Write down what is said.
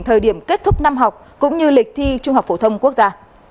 thời điểm kết thúc năm học cũng như lịch thi trung học phổ thông quốc gia